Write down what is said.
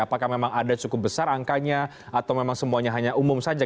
apakah memang ada cukup besar angkanya atau memang semuanya hanya umum saja